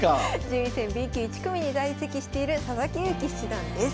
順位戦Ｂ級１組に在籍している佐々木勇気七段です。